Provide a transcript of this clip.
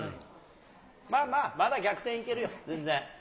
まあまあ、まだ逆転いけるよ、全然。